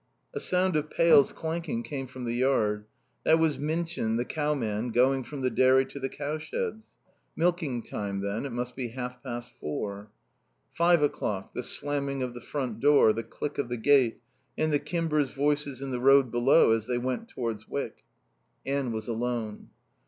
A sound of pails clanking came from the yard. That was Minchin, the cow man, going from the dairy to the cow sheds. Milking time, then. It must be half past four. Five o'clock, the slamming of the front door, the click of the gate, and the Kimbers' voices in the road below as they went towards Wyck. Anne was alone.